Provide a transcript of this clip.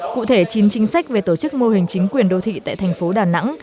cụ thể chín chính sách về tổ chức mô hình chính quyền đô thị tại thành phố đà nẵng